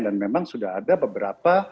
dan memang sudah ada beberapa